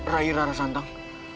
rai rara santang